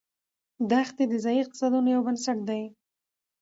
دښتې د ځایي اقتصادونو یو بنسټ دی.